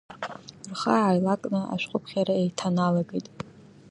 Рхы ааилак-ны ашәҟәыԥхьара еиҭаналагеит…